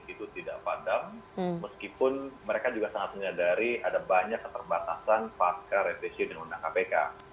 itu tidak padam meskipun mereka juga sangat menyadari ada banyak keterbatasan pasca revisi undang undang kpk